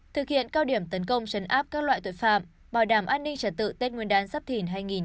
thực hiện cao điểm tấn công chấn áp các loại tội phạm bảo đảm an ninh trật tự tết nguyên đán sắp thỉn hai nghìn hai mươi bốn